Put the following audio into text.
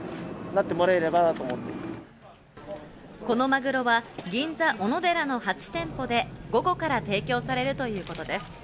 このマグロは銀座おのでらの８店舗で午後から提供されるということです。